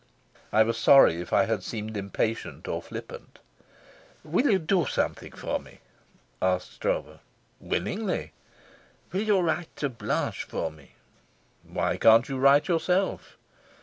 I was sorry if I had seemed impatient or flippant. "Will you do something for me?" asked Stroeve. "Willingly." "Will you write to Blanche for me?" "Why can't you write yourself?"